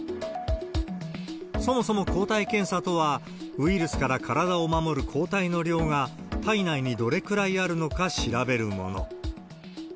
そもそも抗体検査とは、ウイルスから体を守る抗体の量が体内にどれくらいあるのか調べるもの。